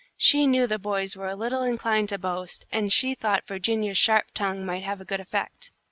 She knew the boys were a little inclined to boast, and she thought Virginia's sharp tongue might have a good effect.